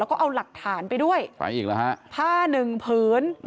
แล้วก็เอาหลักฐานไปด้วยผ้าหนึ่งพื้น